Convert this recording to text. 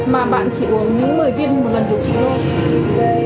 mà bạn chỉ uống những một mươi viên một lần điều trị thôi